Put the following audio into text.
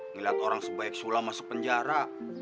ngeliat orang sebaik sulam masuk penjara